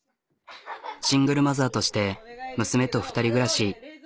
シングルマザーとして娘と２人暮らし。